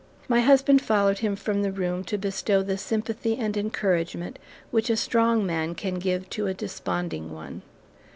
My husband followed him from the room to bestow the sympathy and encouragement which a strong man can give to a desponding one.